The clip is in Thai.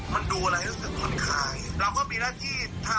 มันดูอะไรให้รู้สึกคนคลายเรามันก็มีหน้าที่ทำ